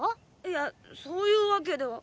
いやそういうわけでは。